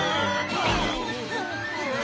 うわ！